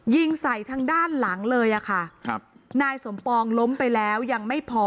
ยิงใส่ทางด้านหลังเลยอะค่ะครับนายสมปองล้มไปแล้วยังไม่พอ